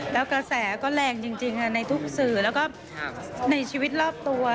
แล้วกระแสก็แรงจริงในทุกสื่อแล้วก็ในชีวิตรอบตัว